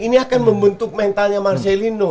ini akan membentuk mentalnya marcelino